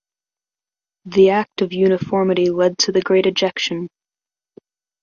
The Act of Uniformity led to the Great Ejection.